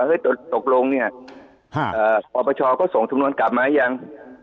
เฮ้ยตกลงเนี่ยอปชก็ส่งจำนวนกลับมาอย่าง